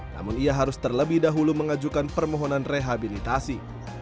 namun ia harus terlebih dahulu mengajukan permohonan rehabilitasi